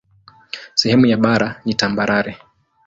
Sehemu ya bara ni tambarare.